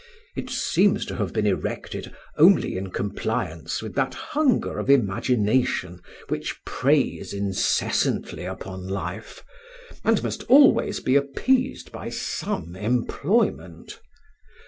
It seems to have been erected only in compliance with that hunger of imagination which preys incessantly upon life, and must be always appeased by some employment.